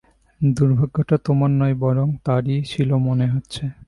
দূর্ভাগ্যটা তোমার নয় বরং তার-ই ছিল মনে হচ্ছে।